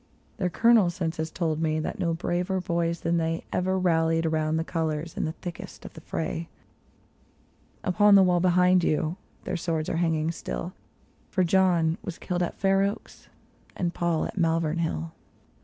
Their colonel since has told me that no braver boys than they Ever rallied round the colors, in the thickest of the fray ; Upon the wall behind you their swords are hanging still — For John was killed at Fair Oaks, and Paul at Malvern Hill.